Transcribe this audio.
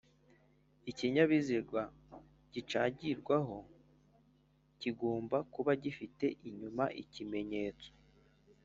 Ikinyabiziga kicagirwaho kigomba kuba gifite inyuma ikimenyetso